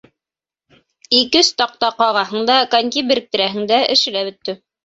Ике-өс таҡта ҡағаһың да, коньки беректерәһең дә, эше лә бөттө.